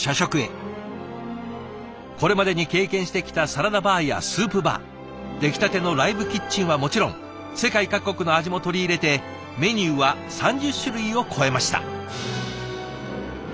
これまでに経験してきたサラダバーやスープバー出来たてのライブキッチンはもちろん世界各国の味も取り入れてメニューは３０種類を超えました。